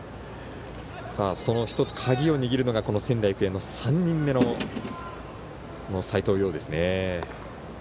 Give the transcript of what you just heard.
１つ鍵を握るのが仙台育英の３人目の斎藤蓉ですね。